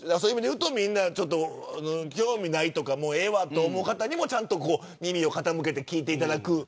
興味ないとかもうええわと思う方にもちゃんと耳を傾けて聞いていただく。